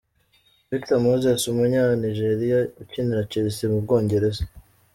Victor Moses , umunyanijeriya ukinira Chelsea mu Bwongereza.